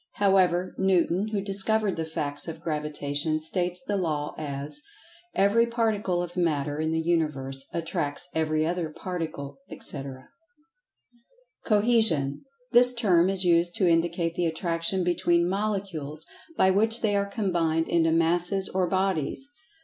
However, Newton, who discovered the facts of[Pg 80] Gravitation, states the Law, as: "Every particle of matter in the Universe, attracts every other particle," etc. Cohesion: This term is used to indicate the attraction between Molecules, by which they are combined into Masses or Bodies.